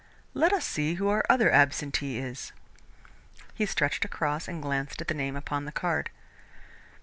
Let us see who our other absentee is." He stretched across and glanced at the name upon the card.